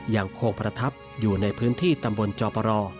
ยังคงประทับอยู่ในพื้นที่ตำบลจอปร